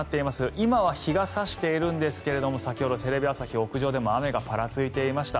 今は日が差しているんですが先ほどテレビ朝日屋上でも雨がぱらついていました。